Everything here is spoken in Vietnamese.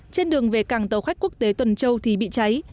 trên đường về cảng tàu khách quốc tế tuần châu thì bị cháy